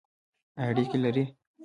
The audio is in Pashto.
ایا اریګی لرئ؟